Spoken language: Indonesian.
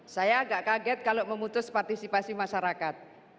saya agak kaget kalau memutus partisipasi masyarakat